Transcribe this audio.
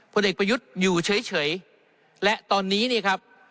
ผู้เด็กประยุทธ์อยู่เฉยเฉยและตอนนี้นี่ครับ